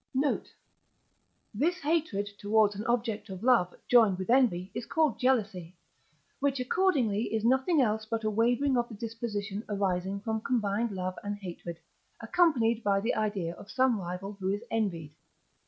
Note. This hatred towards an object of love joined with envy is called Jealousy, which accordingly is nothing else but a wavering of the disposition arising from combined love and hatred, accompanied by the idea of some rival who is envied.